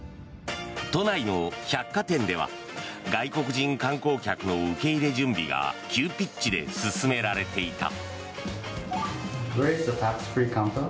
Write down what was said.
都内の百貨店では外国人観光客の受け入れ準備が急ピッチで進められていた。